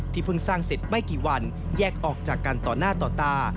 เพิ่งสร้างเสร็จไม่กี่วันแยกออกจากกันต่อหน้าต่อตา